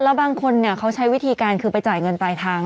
แล้วบางคนเขาใช้วิธีการคือไปจ่ายเงินปลายทาง